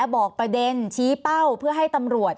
บอกประเด็นชี้เป้าเพื่อให้ตำรวจ